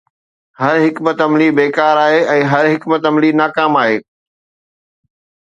هر حڪمت عملي بيڪار آهي ۽ هر حڪمت عملي ناڪام آهي.